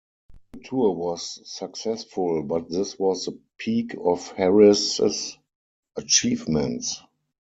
The tour was successful, but this was the peak of Harris's achievements.